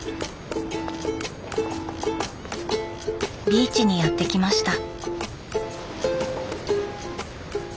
ビーチにやって来ました。